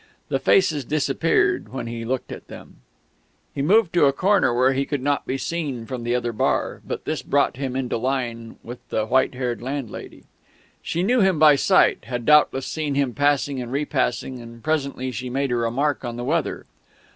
The faces disappeared when he looked at them. He moved to a corner where he could not be seen from the other bar; but this brought him into line with the white haired landlady. She knew him by sight had doubtless seen him passing and repassing; and presently she made a remark on the weather.